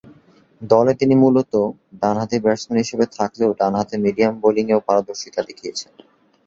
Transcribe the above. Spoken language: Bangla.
দলে তিনি মূলতঃ ডানহাতি ব্যাটসম্যান হিসেবে থাকলেও ডানহাতে মিডিয়াম বোলিংয়েও পারদর্শিতা দেখিয়েছেন।